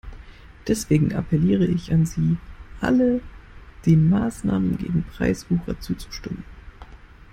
Deswegen appelliere ich an Sie alle, den Maßnahmen gegen Preiswucher zuzustimmen.